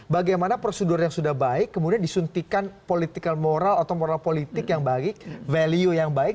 bagaimana prosedur yang sudah baik kemudian disuntikan moral politik yang baik value yang baik